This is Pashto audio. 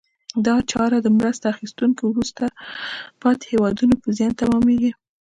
دا چاره د مرسته اخیستونکو وروسته پاتې هېوادونو په زیان تمامیږي.